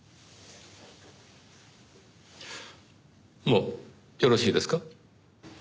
もうよろしいですか？